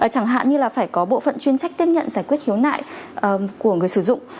chẳng hạn như là phải có bộ phận chuyên trách tiếp nhận giải quyết khiếu nại của người sử dụng